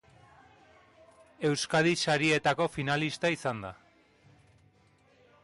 Euskadi Sarietako finalista izan da.